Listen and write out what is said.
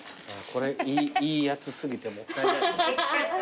これいいやつ過ぎてもったいない。